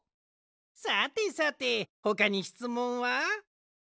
さてさてほかにしつもんは？